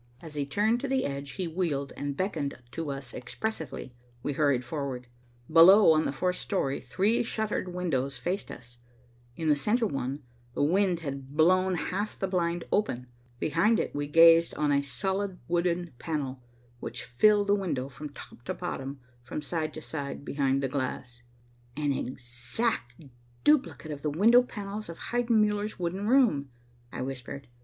As he turned to the edge, he wheeled and beckoned to us expressively. We hurried forward. Below, on the fourth story, three shuttered windows faced us. In the centre one, the wind had blown half the blind open. Behind it, we gazed on a solid wooden panel, which filled the window from top to bottom, from side to side, behind the glass. "An exact duplicate of the window panels of Heidenmuller's wooden room," I whispered.